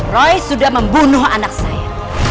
roy sudah membunuh anak saya